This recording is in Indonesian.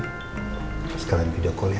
terus kalian video call ya